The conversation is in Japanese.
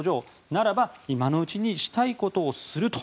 ならば今のうちにしたいことをすると。